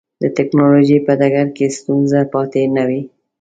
د ټکنالوجۍ په ډګر کې ستونزه پاتې نه وي.